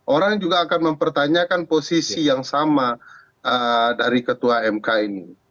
orang juga akan mempertanyakan posisi yang sama dari ketua mk ini